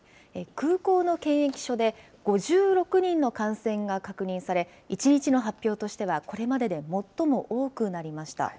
空港の検疫所で５６人の感染が確認され、１日の発表としては、これまでで最も多くなりました。